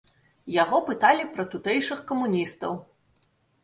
Яго пыталі пра тутэйшых камуністаў.